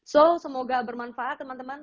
so semoga bermanfaat teman teman